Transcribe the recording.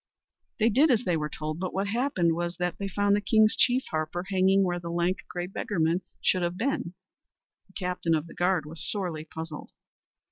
They did as they were told, but what happened was that they found the king's chief harper hanging where the lank, grey beggarman should have been. The captain of the guard was sorely puzzled.